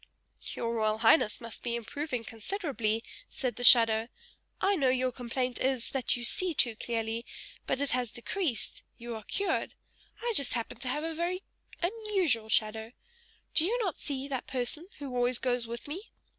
"Your Royal Highness must be improving considerably," said the shadow, "I know your complaint is, that you see too clearly, but it has decreased, you are cured. I just happen to have a very unusual shadow! Do you not see that person who always goes with me?